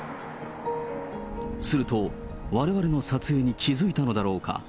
すると、われわれの撮影に気付いたのだろうか。